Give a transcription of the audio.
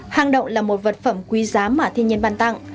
hang động là một vật phẩm quý giá mà thiên nhiên bàn tặng